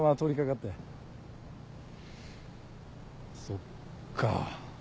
そっか。